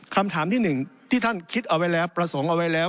คำถามที่หนึ่งที่ท่านคิดเอาไว้แล้วประสงค์เอาไว้แล้ว